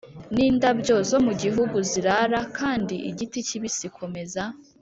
nindabyo zo mugihugu zirara kandi igiti kibisi komeza.